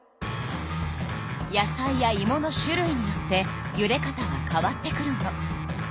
野菜やいもの種類によってゆで方は変わってくるの。